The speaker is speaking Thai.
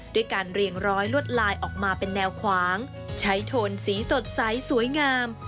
ด้วยการเรียงร้อยลวดลายออกมาเป็นแนวขวางใช้โทนสีสดใสสวยงาม